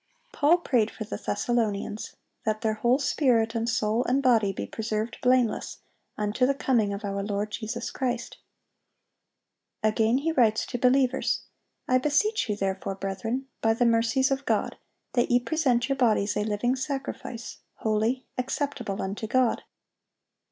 Paul prayed for the Thessalonians, that their "whole spirit and soul and body be preserved blameless unto the coming of our Lord Jesus Christ."(812) Again he writes to believers, "I beseech you therefore, brethren, by the mercies of God, that ye present your bodies a living sacrifice, holy, acceptable unto God."